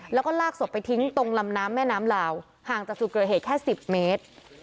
แล้วก็ลากศพไปทิ้งตรงลำน้ำแม่น้ำลาวห่างจากจุดเกิดเหตุแค่๑๐เมตร